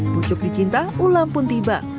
pucuk dicinta ulam pun tiba